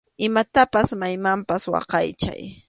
Imatapas maymanpas waqaychay.